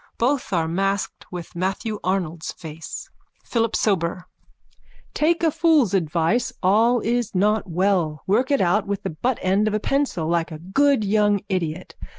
Both are masked with Matthew Arnold's face.)_ PHILIP SOBER: Take a fool's advice. All is not well. Work it out with the buttend of a pencil, like a good young idiot.